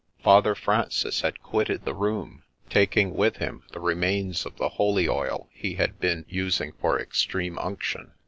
Father Francis had quitted the room, taking with him the remains of the holy oil he had been using for Extreme Unction.